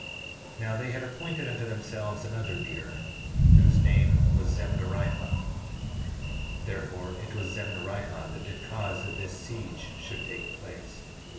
4:17 Now they had appointed unto themselves another leader, whose name was Zemnarihah; therefore it was Zemnarihah that did cause that this siege should take place.